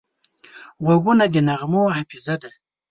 غوږونه د نغمو حافظه ده